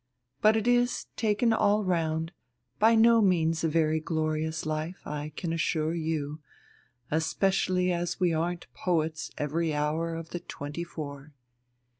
But it is, taken all round, by no means a very glorious life, I can assure you, especially as we aren't poets every hour of the twenty four.